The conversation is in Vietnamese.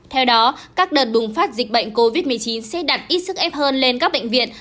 theo đó các đợt bùng phát dịch bệnh covid một mươi chín sẽ đặt ít sức ép hơn lên các bệnh viện